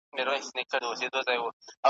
ستا به مي نوم هېر وي زه به بیا درته راغلی یم .